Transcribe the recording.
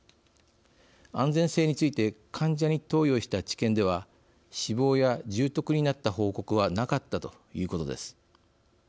安全性について患者に投与した治験では死亡や重篤になった報告はなかったということです。